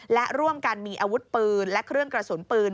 และร่วมกันมีอาวุธปืนและเครื่องกระสุนปืน